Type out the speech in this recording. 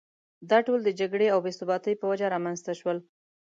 دا ټول د جګړې او بې ثباتۍ په وجه رامېنځته شول.